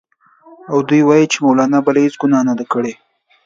او دوی وايي چې مولنا بله هېڅ ګناه نه ده کړې.